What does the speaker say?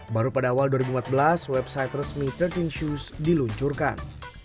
baru pada awal dua ribu empat belas website resmi tiga belas shoes diluncurkan